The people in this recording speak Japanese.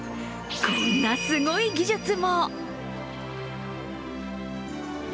こんなすごい技術も！